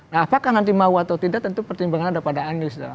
nah apakah nanti mau atau tidak tentu pertimbangan ada pada anies